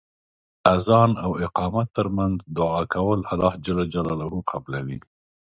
اذان او اقامت تر منځ دعا کول الله ج قبلوی .